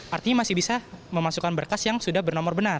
artinya masih bisa memasukkan berkas yang sudah bernomor benar